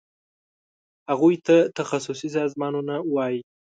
هغوی ته تخصصي سازمانونه وایي.